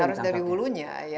ya harus dari hulunya ya